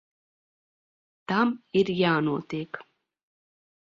Tam ir jānotiek.